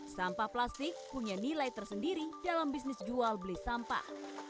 sampah plastik punya nilai tersendiri dalam bisnis jual beli sampah